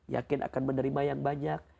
yakin akan menerima yang banyak